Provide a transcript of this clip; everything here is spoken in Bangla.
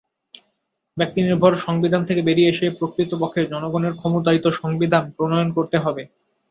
ব্যক্তিনির্ভর সংবিধান থেকে বেরিয়ে এসে প্রকৃতপক্ষে জনগণের ক্ষমতায়িত সংবিধান প্রণয়ন করতে হবে।